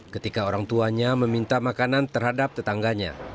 ketika orang tuanya meminta makanan terhadap tetangganya